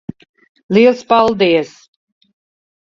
Liels paldies.